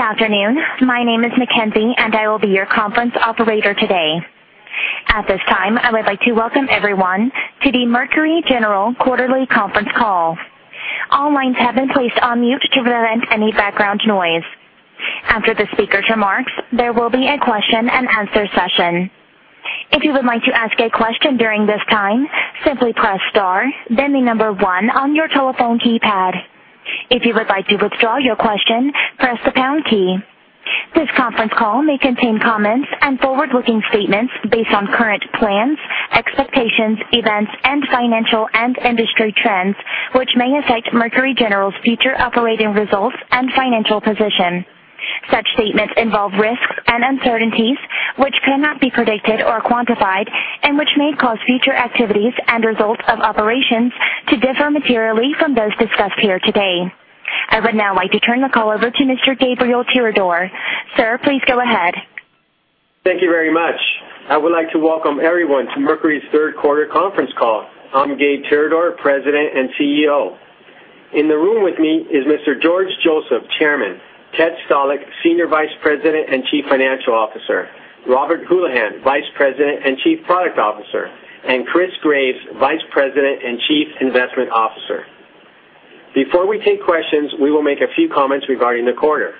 Good afternoon. My name is McKenzie, and I will be your conference operator today. At this time, I would like to welcome everyone to the Mercury General quarterly conference call. All lines have been placed on mute to prevent any background noise. After the speaker's remarks, there will be a question-and-answer session. If you would like to ask a question during this time, simply press star then the number one on your telephone keypad. If you would like to withdraw your question, press the pound key. This conference call may contain comments and forward-looking statements based on current plans, expectations, events, and financial and industry trends, which may affect Mercury General's future operating results and financial position. Such statements involve risks and uncertainties which cannot be predicted or quantified and which may cause future activities and results of operations to differ materially from those discussed here today. I would now like to turn the call over to Mr. Gabriel Tirador. Sir, please go ahead. Thank you very much. I would like to welcome everyone to Mercury's third quarter conference call. I'm Gabe Tirador, President and CEO. In the room with me is Mr. George Joseph, Chairman, Ted Stalick, Senior Vice President and Chief Financial Officer, Robert Houlihan, Vice President and Chief Product Officer, and Chris Graves, Vice President and Chief Investment Officer. Before we take questions, we will make a few comments regarding the quarter.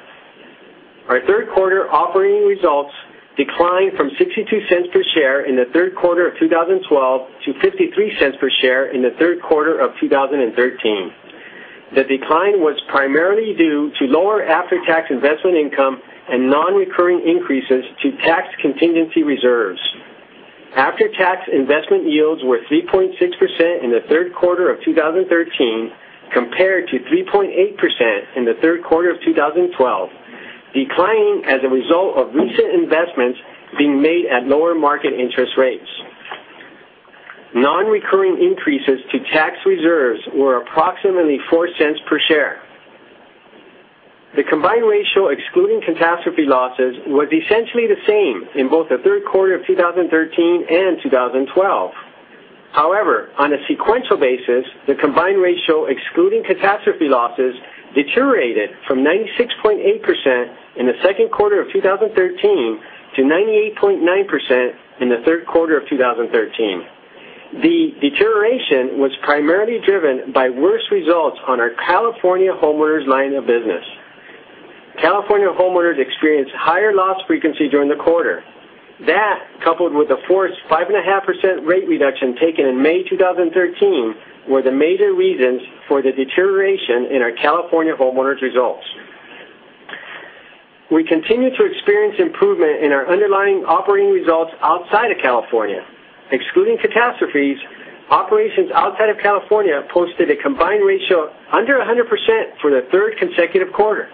Our third quarter operating results declined from $0.62 per share in the third quarter of 2012 to $0.53 per share in the third quarter of 2013. The decline was primarily due to lower after-tax investment income and non-recurring increases to tax contingency reserves. After-tax investment yields were 3.6% in the third quarter of 2013 compared to 3.8% in the third quarter of 2012, declining as a result of recent investments being made at lower market interest rates. Non-recurring increases to tax reserves were approximately $0.04 per share. The combined ratio, excluding catastrophe losses, was essentially the same in both the third quarter of 2013 and 2012. On a sequential basis, the combined ratio excluding catastrophe losses deteriorated from 96.8% in the second quarter of 2013 to 98.9% in the third quarter of 2013. The deterioration was primarily driven by worse results on our California homeowners line of business. California homeowners experienced higher loss frequency during the quarter. That, coupled with a forced 5.5% rate reduction taken in May 2013, were the major reasons for the deterioration in our California homeowners results. We continue to experience improvement in our underlying operating results outside of California. Excluding catastrophes, operations outside of California posted a combined ratio under 100% for the third consecutive quarter.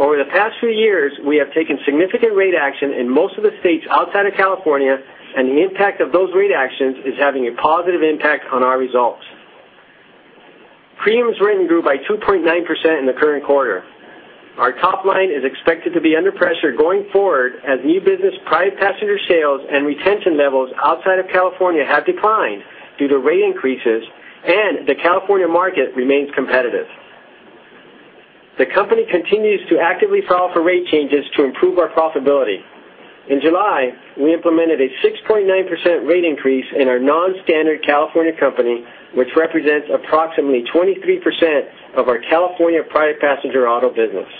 Over the past few years, we have taken significant rate action in most of the states outside of California, and the impact of those rate actions is having a positive impact on our results. Premiums written grew by 2.9% in the current quarter. Our top line is expected to be under pressure going forward as new business private passenger sales and retention levels outside of California have declined due to rate increases and the California market remains competitive. The company continues to actively file for rate changes to improve our profitability. In July, we implemented a 6.9% rate increase in our non-standard California company, which represents approximately 23% of our California private passenger auto business.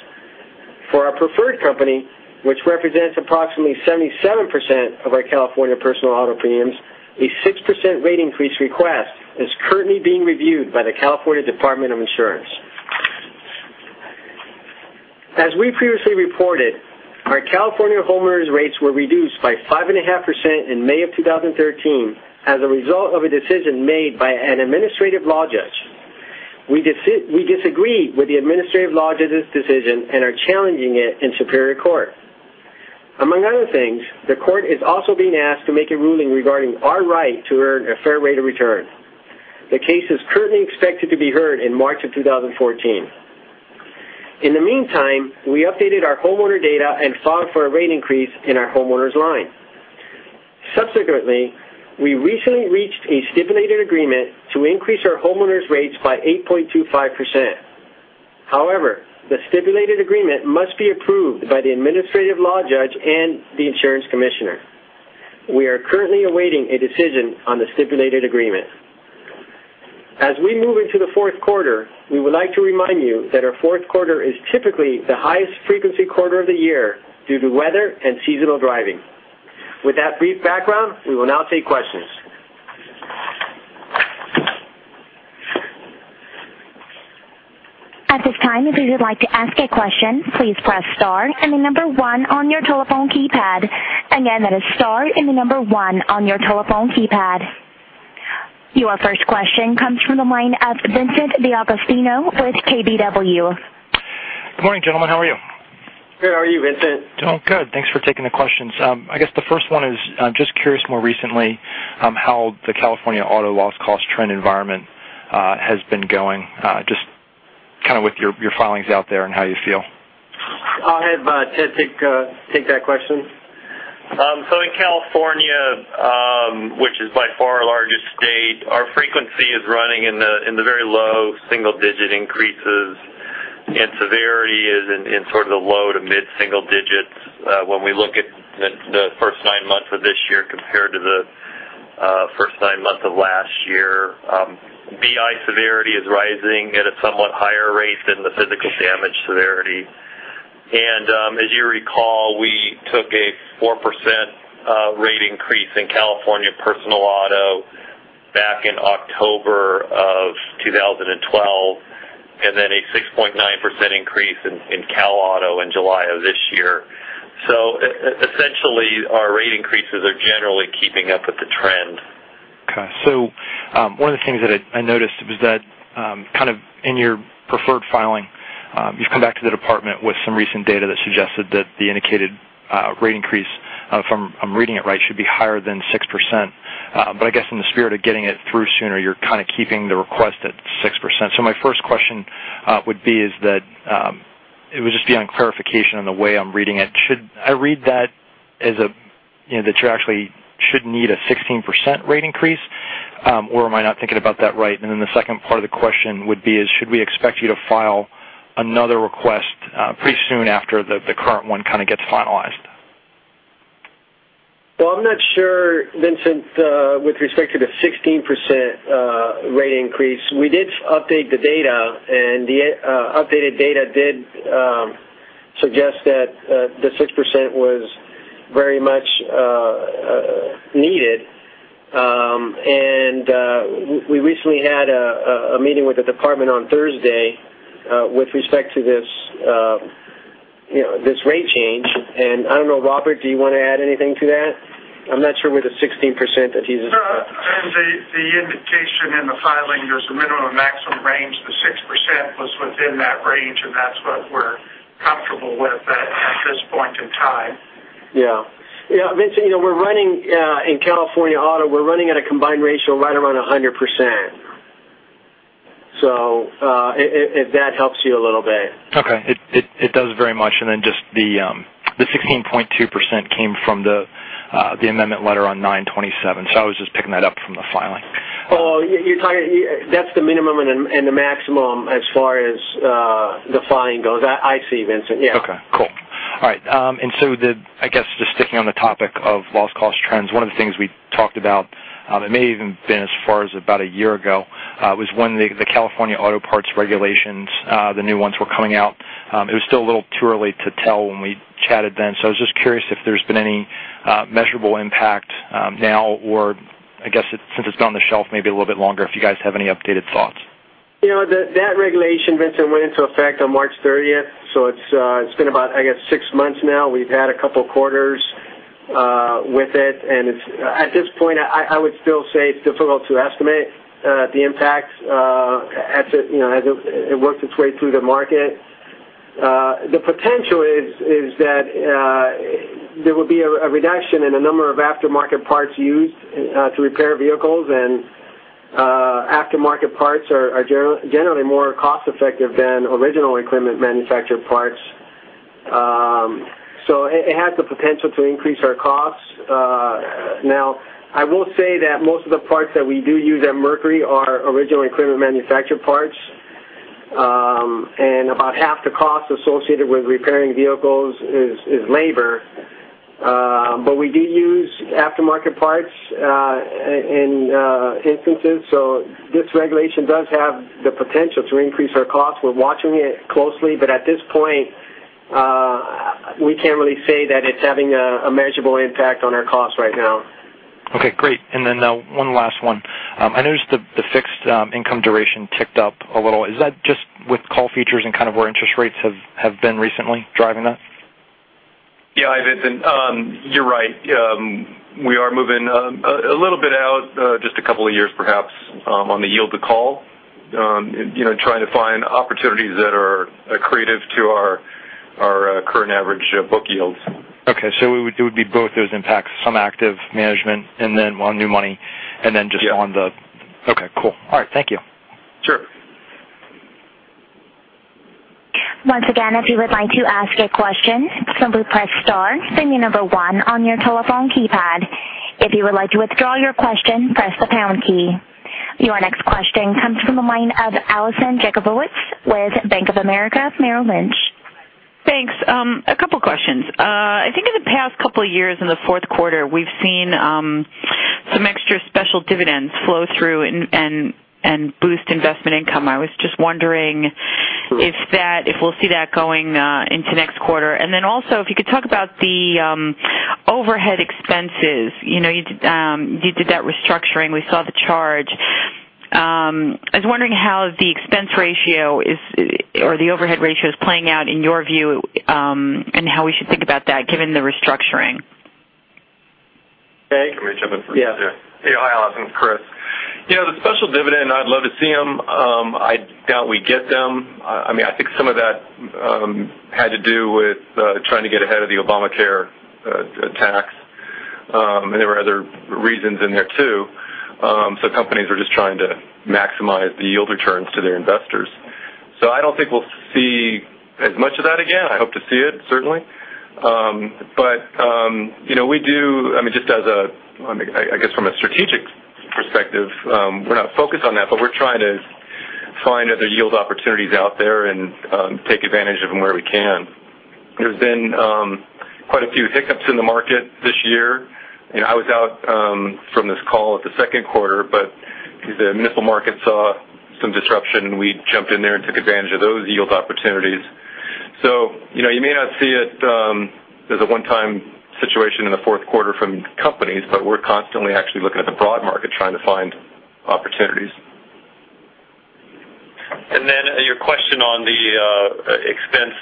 For our preferred company, which represents approximately 77% of our California personal auto premiums, a 6% rate increase request is currently being reviewed by the California Department of Insurance. As we previously reported, our California homeowners' rates were reduced by 5.5% in May of 2013 as a result of a decision made by an administrative law judge. We disagreed with the administrative law judge's decision and are challenging it in Superior Court. Among other things, the court is also being asked to make a ruling regarding our right to earn a fair rate of return. The case is currently expected to be heard in March of 2014. In the meantime, we updated our homeowners data and filed for a rate increase in our homeowners line. Subsequently, we recently reached a stipulated agreement to increase our homeowners rates by 8.25%. The stipulated agreement must be approved by the administrative law judge and the insurance commissioner. We are currently awaiting a decision on the stipulated agreement. As we move into the fourth quarter, we would like to remind you that our fourth quarter is typically the highest frequency quarter of the year due to weather and seasonal driving. With that brief background, we will now take questions. At this time, if you would like to ask a question, please press star and the number one on your telephone keypad. Again, that is star and the number one on your telephone keypad. Your first question comes from the line of Vincent D'Agostino with KBW. Good morning, gentlemen. How are you? Good. How are you, Vincent? I'm good. Thanks for taking the questions. I guess the first one is, I'm just curious more recently how the California auto loss cost trend environment has been going. Just kind of with your filings out there and how you feel. I'll have Ted take that question. In California in the very low single-digit increases in severity is in sort of the low to mid-single digits when we look at the first nine months of this year compared to the first nine months of last year. BI severity is rising at a somewhat higher rate than the physical damage severity. As you recall, we took a 4% rate increase in California personal auto back in October of 2012, then a 6.9% increase in Cal auto in July of this year. Essentially, our rate increases are generally keeping up with the trend. Okay. One of the things that I noticed was that in your preferred filing, you've come back to the Department with some recent data that suggested that the indicated rate increase, if I'm reading it right, should be higher than 6%. I guess in the spirit of getting it through sooner, you're kind of keeping the request at 6%. My first question would be is that, it would just be on clarification on the way I'm reading it. Should I read that as that you actually should need a 16% rate increase, or am I not thinking about that right? The second part of the question would be is should we expect you to file another request pretty soon after the current one kind of gets finalized? Well, I'm not sure, Vincent, with respect to the 16% rate increase. We did update the data, the updated data did suggest that the 6% was very much needed. We recently had a meeting with the Department on Thursday with respect to this rate change. I don't know, Robert, do you want to add anything to that? I'm not sure with the 16%. No. I think the indication in the filing, there's a minimum maximum range. The 6% was within that range, that's what we're comfortable with at this point in time. Yeah. Vincent, we're running in California auto, we're running at a combined ratio right around 100%. If that helps you a little bit. Okay. It does very much. Just the 16.2% came from the amendment letter on 9/27. I was just picking that up from the filing. Oh, that's the minimum and the maximum as far as the filing goes. I see, Vincent. Yeah. Okay. Cool. All right. I guess just sticking on the topic of loss cost trends, one of the things we talked about it may even been as far as about a year ago was when the California auto parts regulations the new ones were coming out. It was still a little too early to tell when we chatted then. I was just curious if there's been any measurable impact now, or I guess since it's been on the shelf maybe a little bit longer, if you guys have any updated thoughts. That regulation, Vincent, went into effect on March 30th. It's been about, I guess, six months now. We've had a couple of quarters with it. At this point, I would still say it's difficult to estimate the impacts as it works its way through the market. The potential is that there will be a reduction in the number of aftermarket parts used to repair vehicles. Aftermarket parts are generally more cost-effective than original equipment manufacturer parts. It has the potential to increase our costs. Now, I will say that most of the parts that we do use at Mercury are original equipment manufacturer parts. About half the cost associated with repairing vehicles is labor. We do use aftermarket parts in instances. This regulation does have the potential to increase our costs. We're watching it closely, at this point we can't really say that it's having a measurable impact on our costs right now. Okay, great. One last one. I noticed the fixed income duration ticked up a little. Is that just with call features and kind of where interest rates have been recently driving that? Yeah. Hi, Vincent. You're right. We are moving a little bit out just a couple of years perhaps on the yield to call trying to find opportunities that are accretive to our current average book yields. Okay. It would be both those impacts, some active management and then on new money. Yeah. Okay, cool. All right. Thank you. Sure. Once again, if you would like to ask a question, simply press star, then the number 1 on your telephone keypad. If you would like to withdraw your question, press the pound key. Your next question comes from the line of Allison Jakubowicz with Bank of America Merrill Lynch. Thanks. A couple of questions. I think in the past couple of years in the fourth quarter, we've seen some extra special dividends flow through and boost investment income. I was just wondering if we'll see that going into next quarter. Also, if you could talk about the overhead expenses. You did that restructuring. We saw the charge. I was wondering how the expense ratio or the overhead ratio is playing out in your view and how we should think about that given the restructuring. Hey. You want me to jump in first there? Yeah. Hey. Hi, Allison. It's Chris. The special dividend, I'd love to see them. I doubt we get them. I think some of that had to do with trying to get ahead of the Obamacare tax. There were other reasons in there too. Companies were just trying to maximize the yield returns to their investors. I don't think we'll see as much of that again. I hope to see it, certainly. Just from a strategic perspective, we're not focused on that, but we're trying to find other yield opportunities out there and take advantage of them where we can. There's been quite a few hiccups in the market this year, I was out from this call at the second quarter, but the muni market saw some disruption, and we jumped in there and took advantage of those yield opportunities. You may not see it as a one-time situation in the fourth quarter from companies, but we're constantly actually looking at the broad market, trying to find opportunities. Your question on the expense.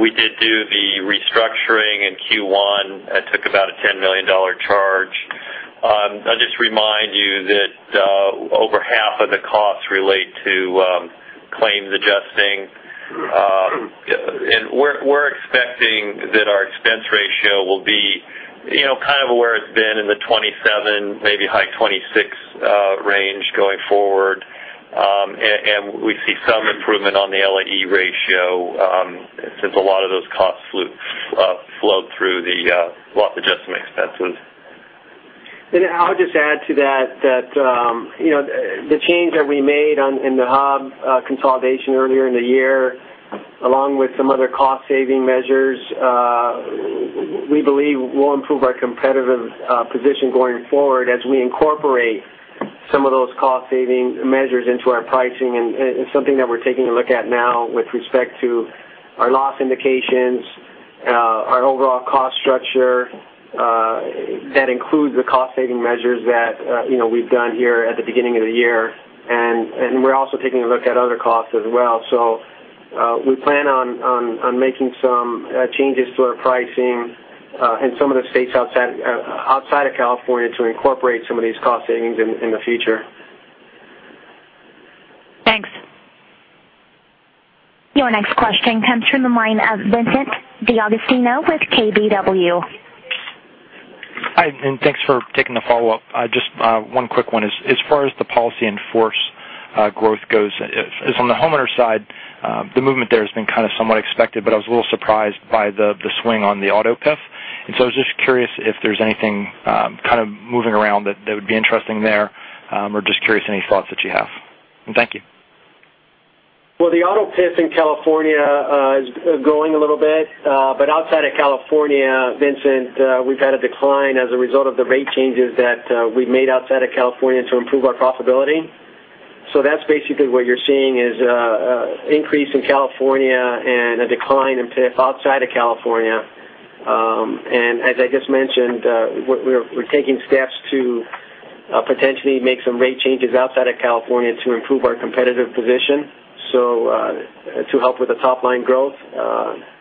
We did do the restructuring in Q1. That took about a $10 million charge. I'll just remind you that over half of the costs relate to claims adjusting. We're expecting that our expense ratio will be kind of where it's been in the 27, maybe high 26 range going forward. We see some improvement on the LAE ratio, since a lot of those costs flowed through the loss adjustment expenses. I'll just add to that the change that we made in the hub consolidation earlier in the year, along with some other cost-saving measures, we believe will improve our competitive position going forward as we incorporate some of those cost-saving measures into our pricing. It's something that we're taking a look at now with respect to our loss indications, our overall cost structure. That includes the cost-saving measures that we've done here at the beginning of the year. We're also taking a look at other costs as well. We plan on making some changes to our pricing in some of the states outside of California to incorporate some of these cost savings in the future. Thanks. Your next question comes from the line of Vincent D'Agostino with KBW. Hi, thanks for taking the follow-up. Just one quick one. As far as the policy in force growth goes, as on the homeowner side, the movement there has been kind of somewhat expected, but I was a little surprised by the swing on the auto PIF. I was just curious if there's anything kind of moving around that would be interesting there or just curious any thoughts that you have. Thank you. Well, the auto PIF in California is growing a little bit. Outside of California, Vincent, we've had a decline as a result of the rate changes that we've made outside of California to improve our profitability. That's basically what you're seeing is increase in California and a decline in PIF outside of California. As I just mentioned, we're taking steps to potentially make some rate changes outside of California to improve our competitive position to help with the top-line growth.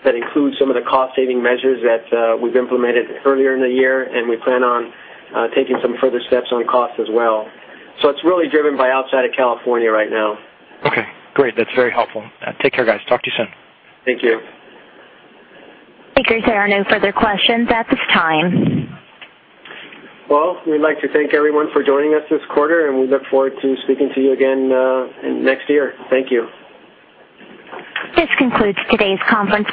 That includes some of the cost-saving measures that we've implemented earlier in the year, we plan on taking some further steps on cost as well. It's really driven by outside of California right now. Okay, great. That's very helpful. Take care, guys. Talk to you soon. Thank you. Okay, there are no further questions at this time. Well, we'd like to thank everyone for joining us this quarter, and we look forward to speaking to you again next year. Thank you. This concludes today's conference.